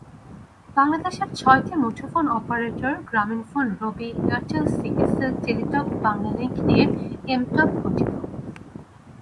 বাংলাদেশের ছয়টি মুঠোফোন অপারেটর গ্রামীণফোন, রবি, এয়ারটেল, সিটিসেল, টেলিটক, বাংলালিংক নিয়ে এমটব গঠিত।